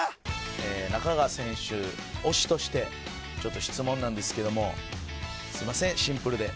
仲川選手推しとしてちょっと質問なんですけどもすみませんシンプルで。